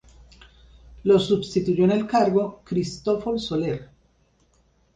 Lo substituyó en el cargo Cristòfol Soler.